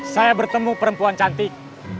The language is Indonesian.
saya bertemu perempuan cantik